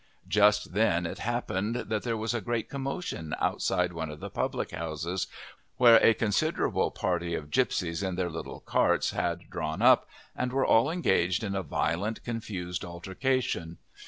Just then it happened that there was a great commotion outside one of the public houses, where a considerable party of gipsies in their little carts had drawn up, and were all engaged in a violent, confused altercation.